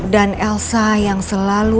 dan elsa yang selalu